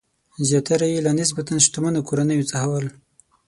زیاتره یې له نسبتاً شتمنو کورنیو څخه ول.